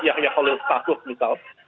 yahya holil stahdus misal